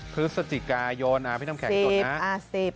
พฤศจิกายนพี่น้ำแข็งจดนะ